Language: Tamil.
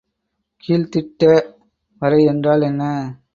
கீழ்த்திட்ட வரை என்றால் என்ன?